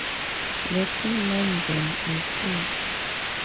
'Let me mend them,' I said.